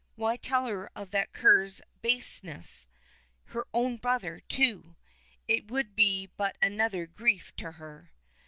Why tell her of that cur's baseness? Her own brother, too! It would be but another grief to her.